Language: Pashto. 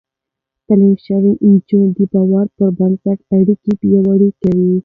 تعليم شوې نجونې د باور پر بنسټ اړيکې پياوړې کوي.